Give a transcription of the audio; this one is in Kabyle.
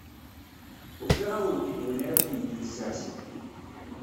Ufiɣ-awent-id win ara kent-yessersen.